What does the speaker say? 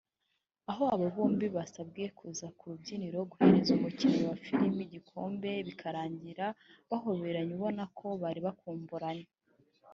aho aba bombi basabwe kuza ku rubyiniro guhereza umukinnyi wa filime igikombe bikarangira bahoberanye ubona ko bari bakumburanye